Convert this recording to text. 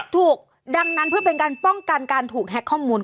ถูกดังนั้นเพื่อเป็นการป้องกันการถูกแฮ็กข้อมูล